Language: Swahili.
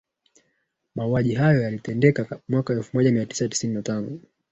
mauaji hayo yaliyotendeka mwaka elfu moja mia tisa tisini na tano